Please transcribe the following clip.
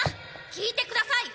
聞いてください！